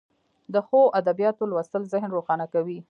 د ښو ادبیاتو لوستل ذهن روښانه کوي.